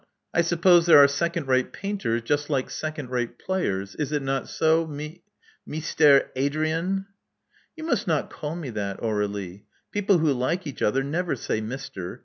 I suppose there are second rate painters, just like second rate players. Is it not so. Me — Meestare Adrian?" *'You must not call me that, Aur^lie. People who like each other never say 'Mister.'